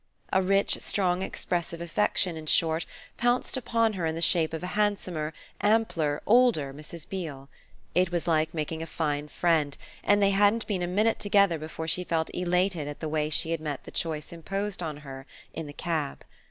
A rich strong expressive affection in short pounced upon her in the shape of a handsomer, ampler, older Mrs. Beale. It was like making a fine friend, and they hadn't been a minute together before she felt elated at the way she had met the choice imposed on her in the cab.